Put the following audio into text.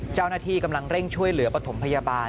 เจ้าหน้าที่กำลังเร่งช่วยเหลือปฐมพยาบาล